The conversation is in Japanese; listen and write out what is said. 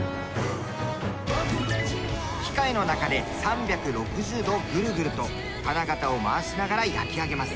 機械の中で３６０度ぐるぐると金型を回しながら焼き上げます。